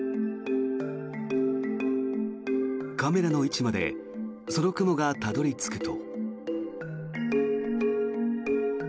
カメラの位置までその雲がたどり着くと。